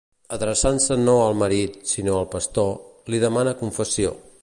Adreçant-se no al marit, sinó al pastor, li demana confessió.